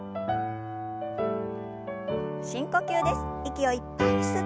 深呼吸です。